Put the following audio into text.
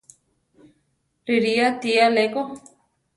Riʼrí ati aléko.